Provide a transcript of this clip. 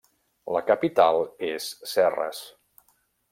La capital és Serres.